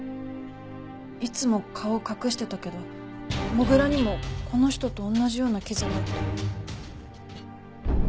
いつも顔隠してたけど土竜にもこの人と同じような傷があった。